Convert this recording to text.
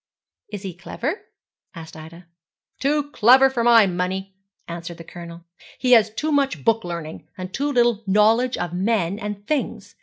'Is he clever?' asked Ida. 'Too clever for my money,' answered the Colonel. 'He has too much book learning, and too little knowledge of men and things.